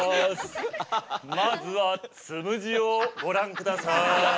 まずはつむじをご覧ください。